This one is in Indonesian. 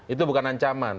itu bukan ancaman